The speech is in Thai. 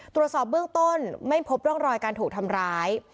ตรวจสอบเบื้องต้นไม่พบร่องรอยการถูกทำร้าย